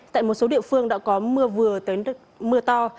tại một số địa phương đã có mưa vừa mưa to